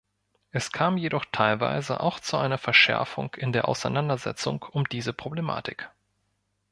Es kam jedoch teilweise auch zu einer Verschärfung in der Auseinandersetzung um diese Problematik.